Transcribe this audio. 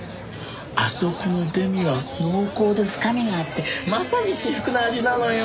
あそこのデミは濃厚で深みがあってまさに至福の味なのよ！